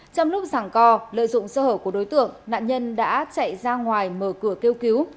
trong lúc giảng co lợi dụng sơ hở của đối tượng nạn nhân đã chạy ra ngoài mở cửa kêu cứu